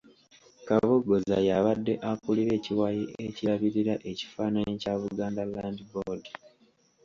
Kabogoza y'abadde akulira ekiwayi ekirabirira ekifaananyi kya Buganda Land Board.